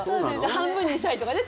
半分にしたりとかね。